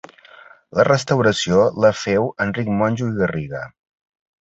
La restauració la féu Enric Monjo i Garriga.